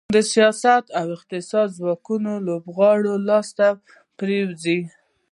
د سیاست او اقتصاد ځواکمنو لوبغاړو لاس ته پرېوځي.